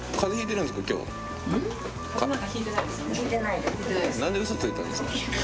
なんでうそついたんですか？